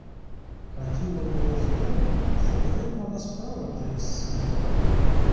А діло було в тому, щоб гетьмана справити із світа.